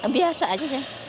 biasa aja sih